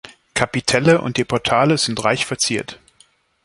Kapitelle und die Portale sind reich verziert.